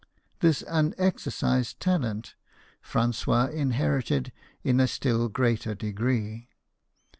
This unexercised talent Francois inherited in a still greater degree.